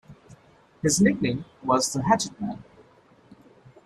His nickname was "The Hatchetman.